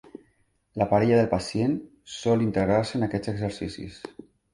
La parella del pacient sol integrar-se en aquests exercicis.